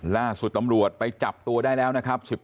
ล่าสุดตำรวจไปจับตัวได้แล้วนะครับ